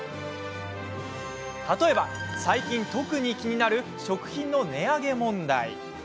例えば最近、特に気になる食品の値上げ問題。